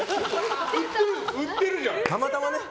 売ってるじゃん。